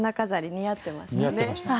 似合ってました。